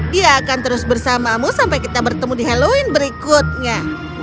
dia akan terus bersamamu sampai kita bertemu di halloween berikutnya